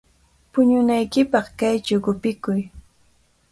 Puñunaykipaq kaychaw qupikuy.